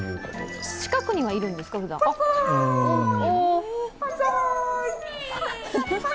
近くにはいるんですか、ふだん。